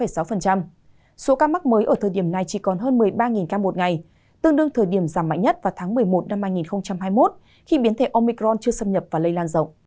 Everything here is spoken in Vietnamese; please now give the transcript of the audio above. số ca mắc mới ở thời điểm này chỉ còn hơn một mươi ba ca một ngày tương đương thời điểm giảm mạnh nhất vào tháng một mươi một năm hai nghìn hai mươi một khi biến thể omicron chưa xâm nhập và lây lan rộng